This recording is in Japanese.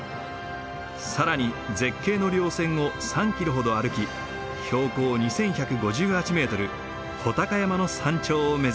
更に絶景の稜線を３キロほど歩き標高２，１５８メートル武尊山の山頂を目指す。